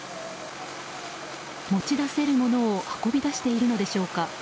持ち出せるものを運び出しているのでしょうか。